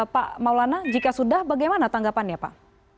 pak maulana jika sudah bagaimana tanggapannya pak